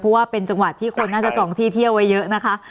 เพราะว่าเป็นจังหวัดที่คนน่าจะจองที่เที่ยวไว้เยอะนะคะ